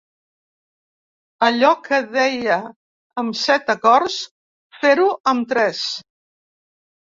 Allò que deia amb set acords, fer-ho amb tres.